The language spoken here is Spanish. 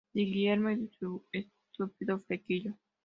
De Guillermo y de su estúpido flequillo